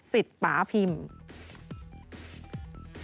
สิตปาพิมพ์